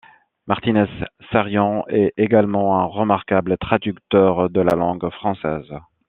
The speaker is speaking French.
Martínez Sarrión est également un remarquable traducteur de la langue française.